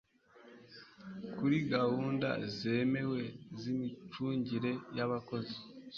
kuri gahunda zemewe z imicungire y abakozi